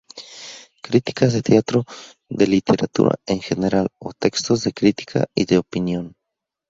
Críticas de teatro, de literatura en general, o textos de crítica y de opinión.